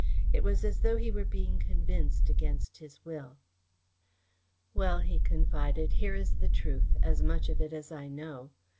It was as though he were being convinced against his will. "Well," he confided, "here is the truth as much of it as I know.